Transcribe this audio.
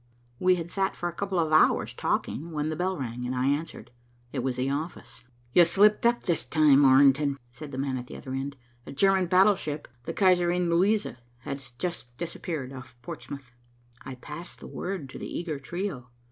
We had sat for a couple of hours talking when the bell rang, and I answered. It was the office. "You slipped up this time, Orrington," said the man at the other end. "A German battleship, the Kaiserin Luisa, has just disappeared off Portsmouth." I passed the word to the eager trio.